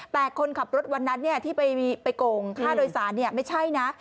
แต่คนขับรถวันนั้นที่ไปโกงค่าโดยสารไม่ใช่นะ